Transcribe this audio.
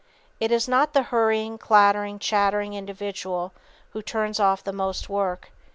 It is not the hurrying, clattering and chattering individual who turns off the most work.